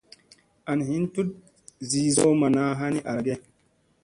An hin tut zii zolo manna ha ni ara ge.